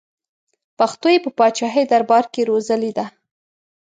پښتو یې په پاچاهي دربار کې روزلې ده.